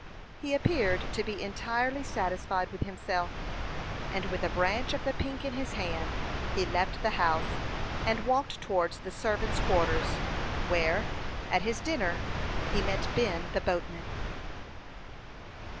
He appeared to be entirely satisfied with himself; and, with a branch of the pink in his hand, he left the house, and walked towards the servants' quarters, where, at his dinner, he met Ben, the boatman.